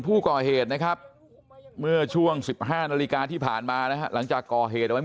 ผู้ก่อเหตุนะครับเมื่อช่วง๑๕นาฬิกาที่ผ่านมานะฮะหลังจากก่อเหตุเอาไว้